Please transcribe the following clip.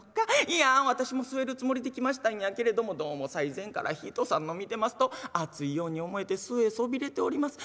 いや私も据えるつもりで来ましたんやけれどもどうも最前から人さんの見てますと熱いように思えて据えそびれております。